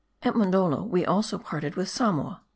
At Mondoldo, we also parted with Samoa.